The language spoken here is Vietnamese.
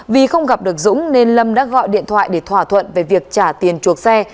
vì không gặp được dũng nên lâm đã gọi điện thoại để thỏa thuận về việc trả tiền chuộc xe